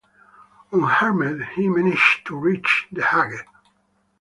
Unharmed he managed to reach The Hague.